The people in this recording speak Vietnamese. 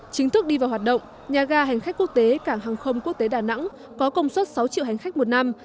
chính thức đi vào hoạt động nhà ga hành khách quốc tế cảng hàng không quốc tế đà nẵng có công suất sáu triệu hành khách một năm